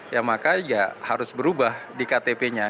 ya maka ya harus berubah di ktp nya